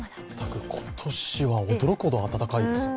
今年は驚くほど暖かいです。